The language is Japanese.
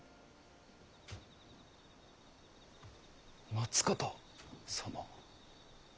松方様。